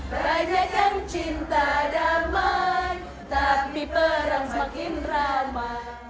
banyak yang cinta damai tapi perang semakin ramai